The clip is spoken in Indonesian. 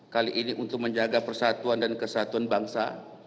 kali ini untuk menjaga persatuan dan kesatuan bangsa